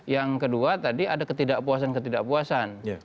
yang kedua tadi ada ketidakpuasan ketidakpuasan